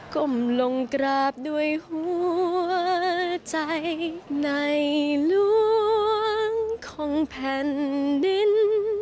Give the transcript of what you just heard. ก้มลงกราบด้วยหัวใจในหลวงของแผ่นดิน